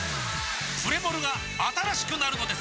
プレモルが新しくなるのです！